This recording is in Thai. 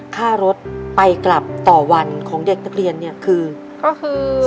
ค่ารถไปกลับต่อวันของเด็กนักเรียนคือ๒๘๐บาท